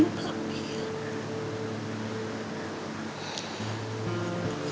kamu jangan tinggalkan papi